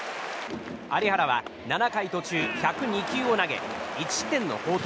有原は７回途中１０２球を投げ１失点の好投。